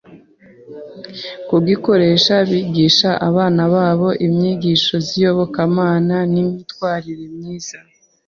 kugikoresha bigisha abana babo inyigisho z’iyobokamana n’imyitwarire myiza.